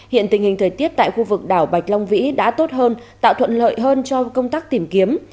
hiện tình hình thời tiết tại khu vực đảo bạch long vĩ đã tốt hơn tạo thuận lợi hơn cho công tác tìm kiếm